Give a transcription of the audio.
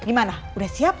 eh gimana udah siap